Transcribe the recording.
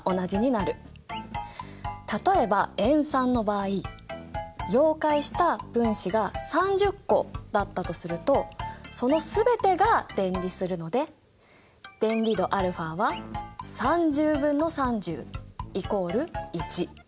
例えば塩酸の場合溶解した分子が３０個だったとするとその全てが電離するので電離度αは３０分の３０イコール１。